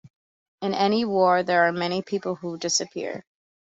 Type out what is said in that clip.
In any war there are many people who disappear.